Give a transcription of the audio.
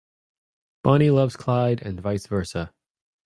Bonnie loves Clyde and vice versa.